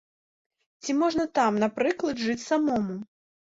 Ці можна там, напрыклад, жыць самому?